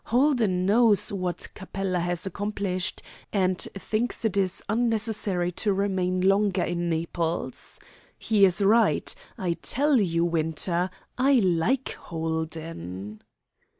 Holden knows what Capella has accomplished, and thinks it is unnecessary to remain longer in Naples. He is right. I tell you, Winter, I like Holden."